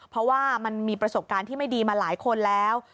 เพราะว่ามันมีประสบการณ์ที่ไม่ดีมาหลายคนแล้ว